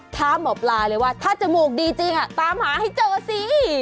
ถามหมอปลาเลยว่าถ้าจมูกดีจริงตามหาให้เจอสิ